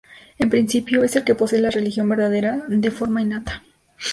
En principio es el que posee la religión verdadera de forma innata.